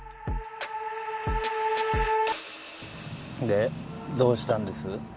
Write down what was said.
でどうしたんです？